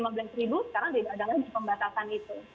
sekarang diadakan di pembatasan itu